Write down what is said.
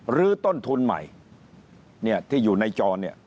หรือต้นทุนใหม่ที่อยู่ในจอ